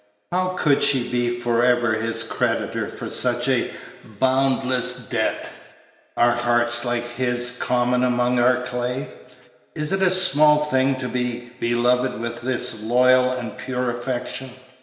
How could she be for ever his creditor for such a boundless debt? Are hearts like his common among our clay? Is it a small thing to be beloved with this loyal and pure affection?